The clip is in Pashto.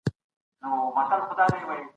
هغې ولیدل چې یو موږک زیات سیروتونین ترشح کړ.